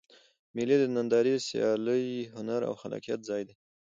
مېلې د نندارې، سیالۍ، هنر او خلاقیت ځای دئ.